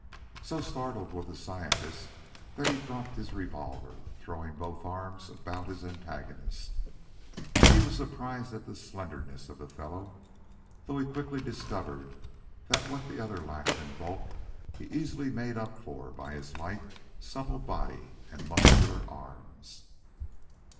So startled was the scientist that he dropped his revolver, throwing both arms about his antagonist. He was surprised at the slenderness of the fellow, though he quickly discovered that what the other lacked in bulk he easily made up for by his lithe, supple body and muscular arms.